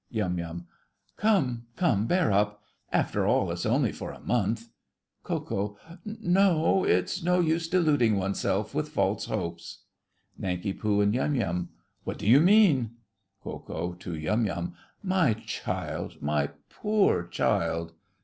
YUM. Come, come, bear up. After all, it's only for a month. KO. No. It's no use deluding oneself with false hopes. NANK. and YUM. What do you mean? KO. (to Yum Yum). My child—my poor child!